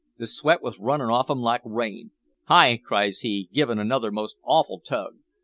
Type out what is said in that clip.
The sweat was runnin' off him like rain. `Hi!' cries he, givin' another most awful tug.